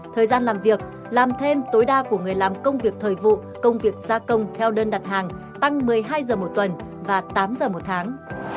thời gian làm việc làm thêm tối đa của người làm công việc thời vụ công việc gia công theo đơn đặt hàng tăng một mươi hai giờ một tuần và tám giờ một tháng